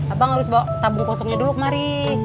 abang harus bawa tabung kosongnya dulu kemari